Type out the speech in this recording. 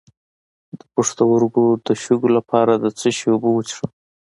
د پښتورګو د شګو لپاره د څه شي اوبه وڅښم؟